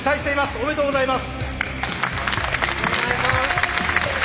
おめでとうございます。